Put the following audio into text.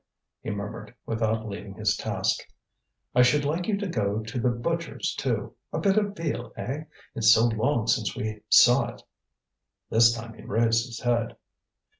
he murmured, without leaving his task. "I should like you to go to the butcher's too. A bit of veal, eh? It's so long since we saw it." This time he raised his head.